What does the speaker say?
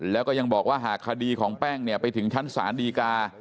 แล้วก็ยังบอกว่าหากคดีของแป้งเนี่ยไปถึงชั้นศาลดีกา